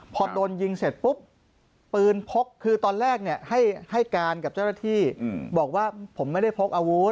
พอโดนยิงเสร็จปุ๊บปืนพก